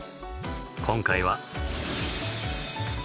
今回は。